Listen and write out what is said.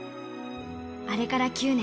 あれから９年。